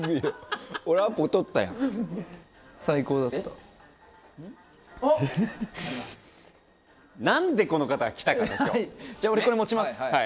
俺これ持ちます。